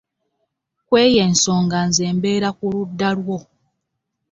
Kweyo ensonga nze mbeera ku ludda lwo.